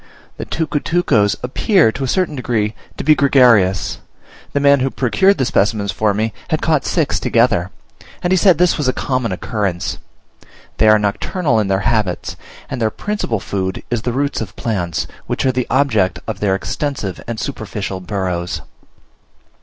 The tucutucos appear, to a certain degree, to be gregarious: the man who procured the specimens for me had caught six together, and he said this was a common occurrence. They are nocturnal in their habits; and their principal food is the roots of plants, which are the object of their extensive and superficial burrows.